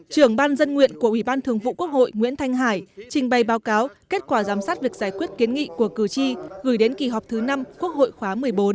trưởng ban dân nguyện của ủy ban thường vụ quốc hội nguyễn thanh hải trình bày báo cáo kết quả giám sát việc giải quyết kiến nghị của cử tri gửi đến kỳ họp thứ năm quốc hội khóa một mươi bốn